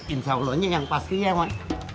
insya allahnya yang pastinya mak